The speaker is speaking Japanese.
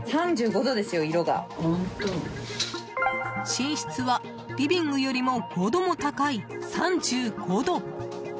寝室はリビングよりも５度も高い３５度。